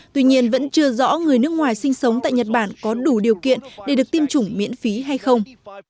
tuy nhiên vẫn chưa rõ người nước ngoài sinh sống tại nhật bản có đủ điều kiện để được tiêm chủng miễn phí hay không